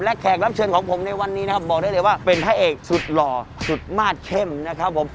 และแขกรับเชิญของผมในวันนี้นะครับบอกได้เลยว่าเป็นพระเอกสุดหล่อสุดมาสเข้มนะครับผม